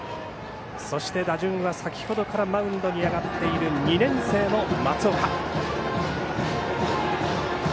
そして打順は先ほどからマウンドに上がっている２年生の松岡。